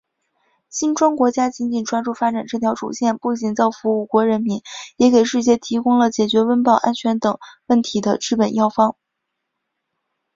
金砖国家紧紧抓住发展这条主线，不仅造福五国人民，也给世界提供了解决温饱、安全等问题的治本药方。